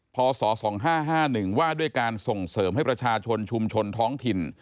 พศ๒๕๕๑ว่าด้วยการส่งเสริมให้ประชาชนชุมชนท้องถิ่น